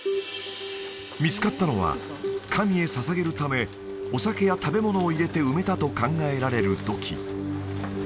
見つかったのは神へ捧げるためお酒や食べ物を入れて埋めたと考えられる土器